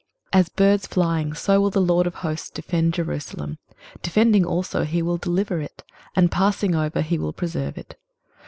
23:031:005 As birds flying, so will the LORD of hosts defend Jerusalem; defending also he will deliver it; and passing over he will preserve it.